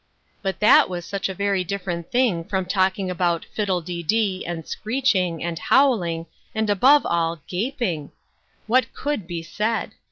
But that was such a very different thing from talk ing about " fiddle dee dee," and ' screeching," and " howling," and, above all, " gaping I '^ What could be said